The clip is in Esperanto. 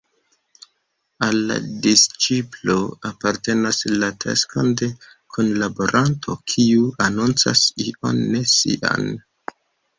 Al la disĉiplo apartenas la taskon de kunlaboranto kiu anoncas ion ne sian.